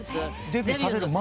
デビューされる前？